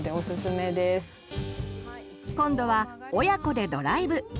今度は親子でドライブ。